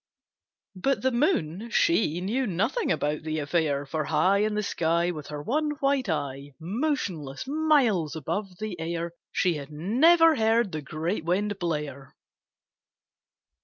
But the Moon, she knew nothing about the affair, For high In the sky, With her one white eye, Motionless, miles above the air, She had never heard the great Wind blare.